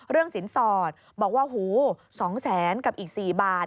เรื่องสินสอดบอกว่า๒๐๐๐๐๐กับอีก๔บาท